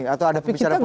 atau ada pemisah politik